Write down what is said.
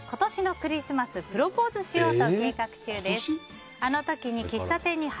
クリスマスにプロポーズしようと。